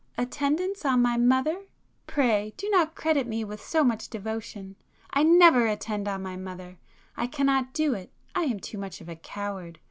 "Attendance on my mother!—pray do not credit me with so much devotion. I never attend on my mother. I cannot do it; I am too much of a coward.